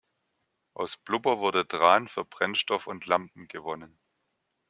Aus Blubber wurde Tran für Brennstoff und Lampen gewonnen.